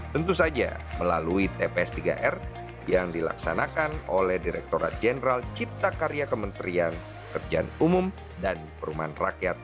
tentu saja melalui tps tiga r yang dilaksanakan oleh direkturat jenderal cipta karya kementerian kerjaan umum dan perumahan rakyat